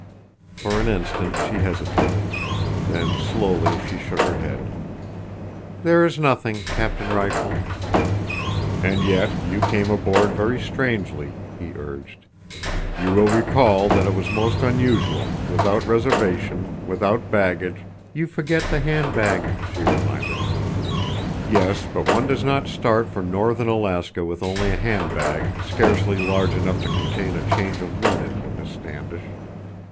For an instant she hesitated, then slowly she shook her head. "There is nothing, Captain Rifle." "And yet—you came aboard very strangely," he urged. "You will recall that it was most unusual—without reservation, without baggage—" "You forget the hand bag," she reminded him. "Yes, but one does not start for northern Alaska with only a hand bag scarcely large enough to contain a change of linen, Miss Standish."